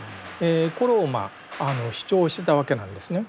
これを主張してたわけなんですね。